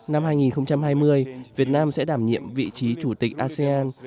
năm hai nghìn hai mươi việt nam sẽ đảm nhiệm vị trí chủ tịch asean